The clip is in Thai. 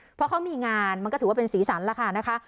เพราะเขามีงานมันก็ถือว่าเป็นสีสันแล้วค่ะนะคะ